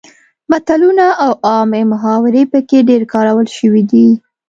متلونه او عامې محاورې پکې ډیر کارول شوي دي